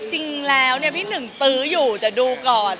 จริงแล้วเนี่ยพี่หนึ่งตื้ออยู่แต่ดูก่อน